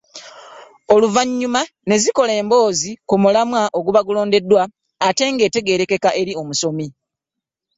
Oluvannyuma ne zikola emboozi ku mulamwa oguba gulondeddwa ate ng'etegeerekeka eri omusomi.